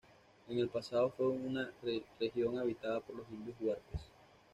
En el pasado fue una región habitada por los indios Huarpes.